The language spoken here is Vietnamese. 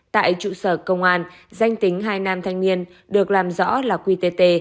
tại trụ sở công an danh tính hai nam thanh niên được làm rõ là quy t t